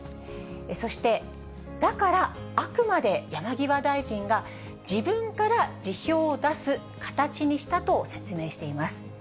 そしてだからあくまで山際大臣が、自分から辞表を出す形にしたと説明しています。